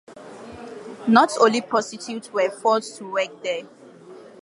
Not only prostitutes were forced to work there.